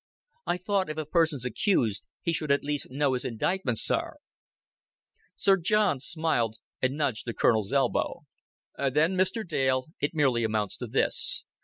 "I thought if a person's accused, he should at least know his indictment, sir." Sir John smiled, and nudged the Colonel's elbow. "Then, Mr. Dale, it merely amounts to this.